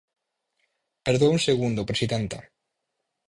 Perdoe un segundo presidenta.